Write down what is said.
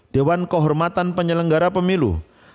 dewan kehormatan penyelenggara pemilu